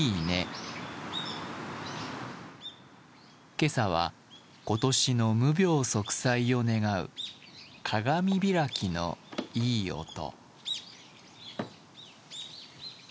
今朝は今年の無病息災を願う鏡開きのいい音。